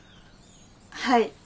はい。